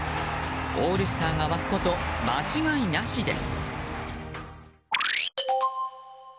オールスターが沸くこと間違いなしです。